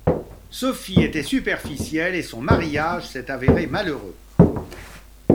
Sophie était superficielle et son mariage s'est avéré malheureux.